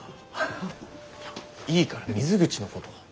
いいから水口のこと。